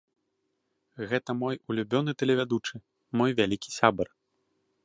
Гэта мой улюбёны тэлевядучы, мой вялікі сябар.